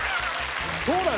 そうだよ。